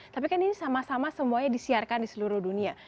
tapi kan ini sama sama semuanya disiarkan di seluruh dunia